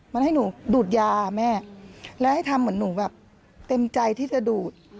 มันให้หนูดูดยาแม่แล้วให้ทำเหมือนหนูแบบเต็มใจที่จะดูด